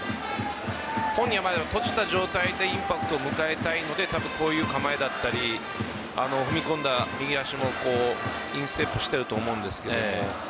本人は閉じた状態でインパクトを迎えたいのでたぶん、こういう構えだったり踏み込んだ右足もインステップしていると思うんです。